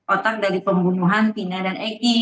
otak dari pembunuhan ina dan eki